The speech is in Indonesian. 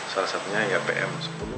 salah satunya ya pm sepuluh